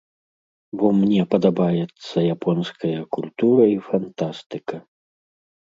Бо мне падабаецца японская культура і фантастыка.